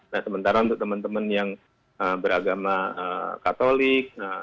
nah sementara untuk teman teman yang beragama katolik